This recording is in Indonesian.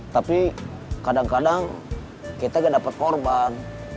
tapi kadang kadang kita gak dapat korban